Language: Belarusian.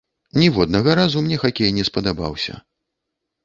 Ніводнага разу мне хакей не спадабаўся.